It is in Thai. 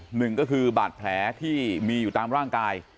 หนึ่งก็คือบาดแผลที่มีอยู่ตามร่างกาย